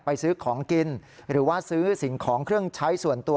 ซื้อของกินหรือว่าซื้อสิ่งของเครื่องใช้ส่วนตัว